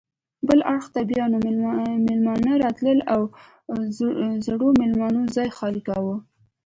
بل اړخ ته بیا نوي میلمانه راتلل او زړو میلمنو ځای خالي کاوه.